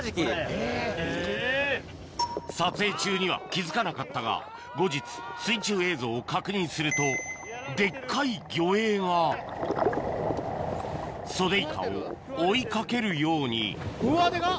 撮影中には気付かなかったが後日水中映像を確認するとデッカい魚影がソデイカを追い掛けるようにうわデカっ。